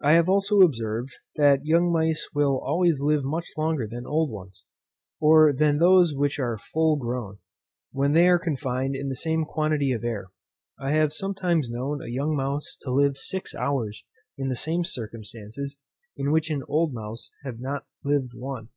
I have also observed, that young mice will always live much longer than old ones, or than those which are full grown, when they are confined in the same quantity of air. I have sometimes known a young mouse to live six hours in the same circumstances in which an old mouse has not lived one.